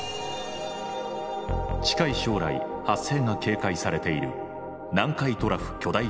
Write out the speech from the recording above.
近い将来発生が警戒されている南海トラフ巨大地震。